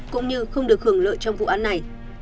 cũng như không được hưởng lợi trong vụ án này